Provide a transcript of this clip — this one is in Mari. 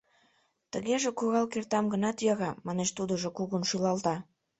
— Тыгеже курал кертам гынат, йӧра, — манеш тудыжо, кугун шӱлалта.